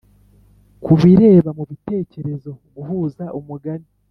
kubireba, mubitekerezo guhuza umugani